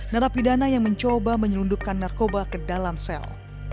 narapidana yang mencoba menyelundupkan narkoba ke dalam sel